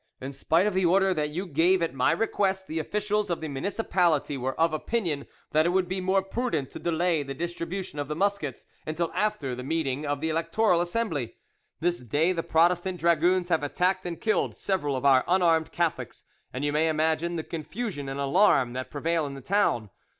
In spite of the order that you gave at my request, the officials of the municipality were of opinion that it would be more prudent to delay the distribution of the muskets until after the meeting of the Electoral Assembly. This day the Protestant dragoons have attacked and killed several of our unarmed Catholics, and you may imagine the confusion and alarm that prevail in the town.